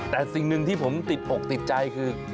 แต่สิ่งหนึ่งที่ผมติดอกติดใจคือ